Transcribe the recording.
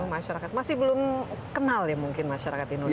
masyarakat masih belum kenal ya mungkin masyarakat indonesia